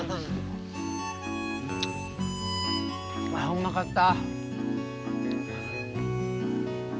うまかった。